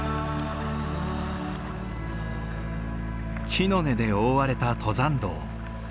木の根で覆われた登山道。